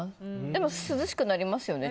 でも涼しくなりますよね